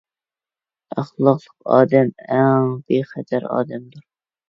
ئەخلاقلىق ئادەم ئەڭ بىخەتەر ئادەمدۇر.